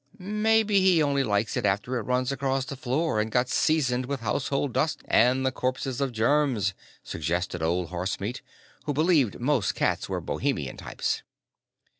"Maybe he only likes it after it's run across the floor and got seasoned with household dust and the corpses of germs," suggested Old Horsemeat, who believed most cats were bohemian types.